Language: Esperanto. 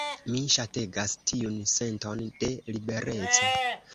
Mi ŝategas tiun senton de libereco.